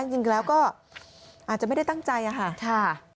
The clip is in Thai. จริงแล้วก็อาจจะไม่ได้ตั้งใจค่ะ